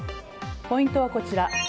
ポイントはこちら。